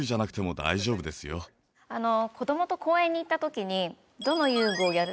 あの子供と公園に行った時に。